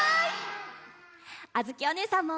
あづきおねえさんも。